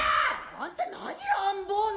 あんた何乱暴ね。